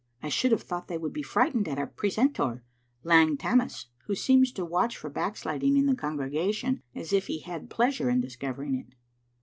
" I should have thought they would be fright ened at our precentor, Lang Tammas, who seems to watch for backsliding in the congregation as if he had pleasure in discovering it.